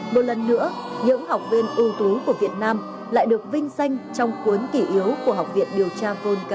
một lần nữa những học viên ưu tú của việt nam lại được vinh danh trong cuốn kỷ yếu của học viện điều tra vô cơ